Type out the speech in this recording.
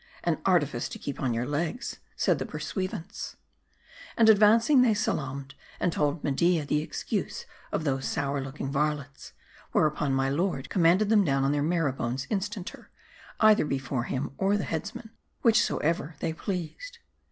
" An artifice to keep on your legs," said the pursuivants. And advancing they salamed, and told Media the ex cuse of those sour looking varlets. Whereupon my lord commanded them to down on their marrow bones instanter, either before him or the headsman, whichsoever they pleased.